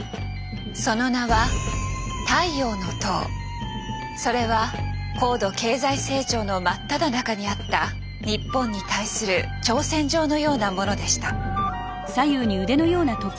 その名は「太陽の塔」。それは高度経済成長の真っただ中にあった日本に対する挑戦状のようなものでした。